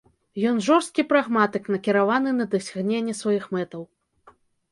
Ён жорсткі прагматык, накіраваны на дасягненне сваіх мэтаў.